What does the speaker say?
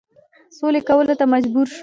سولي کولو ته مجبور شو.